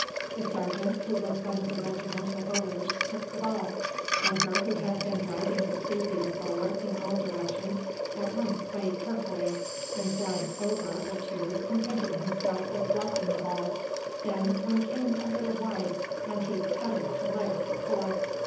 The sergeant, who was one of the regimental bowlers, took the ball. Edgar, who had been driving the previous bowler in all directions, at once played carefully, and for an over or two contented himself with blocking the balls, then one came a little wide and he cut it to leg for four.